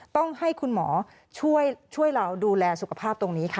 ต้องให้คุณหมอช่วยเราดูแลสุขภาพตรงนี้ค่ะ